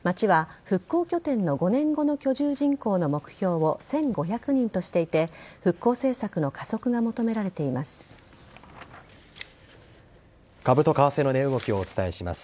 町は復興拠点の５年後の居住人口の目標を１５００人としていて復興政策の加速が株と為替の値動きをお伝えします。